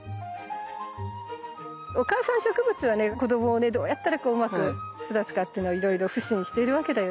お母さん植物はね子どもをねどうやったらうまく育つかっていうのをいろいろ腐心してるわけだよね。